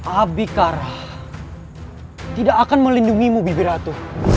abikarah tidak akan melindungimu bibi ratu